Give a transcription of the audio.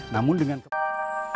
namun dengan kemampuan